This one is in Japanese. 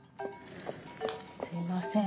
すいません